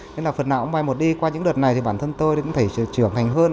nên là phần nào cũng bay một đi qua những đợt này thì bản thân tôi cũng thấy trưởng thành hơn